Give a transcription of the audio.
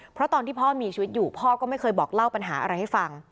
เพราะตอนที่พ่อมีชีวิตอยู่พ่อก็ไม่เคยบอกเล่าปัญหาอะไรให้ฟัง